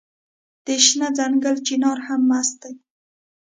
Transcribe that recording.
د شنه ځنګل چنار هم مست دی